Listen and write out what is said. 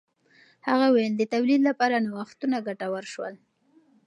هغه وویل د تولید لپاره نوښتونه ګټور شول.